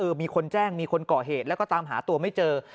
คือมีคนแจ้งมีคนก่อเหตุแล้วก็ตามหาตัวไม่เจอ